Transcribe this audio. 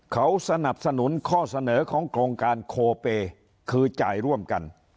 เขาสนับสนุนข้อเสนอของโครงการโคเปคือจ่ายร่วมกัน